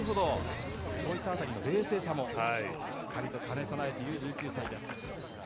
そういった辺りの冷静さも兼ね備えている１９歳です。